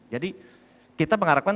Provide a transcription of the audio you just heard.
jadi kita mengharapkan